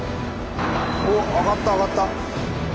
おっ上がった上がった！